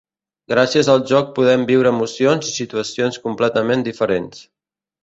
Gràcies al joc podem viure emocions i situacions completament diferents.